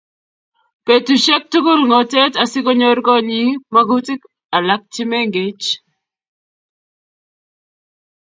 Betusiek tugul ngotet asikonyor konyi magutik alak chemengech